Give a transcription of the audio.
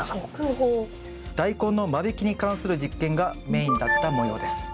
ダイコンの間引きに関する実験がメインだったもようです。